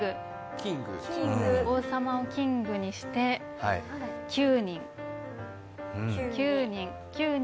王様をキングにして９人。